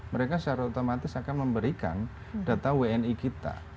mereka secara otomatis akan memberikan data wni kita